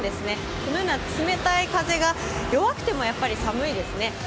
このような冷たい風が弱くてもやっぱり寒いですね。